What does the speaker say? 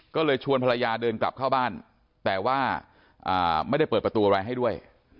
ก็เลยชวนภรรยาเดินกลับเข้าบ้านแต่ว่าไม่ได้เปิดประตูอะไรให้ด้วย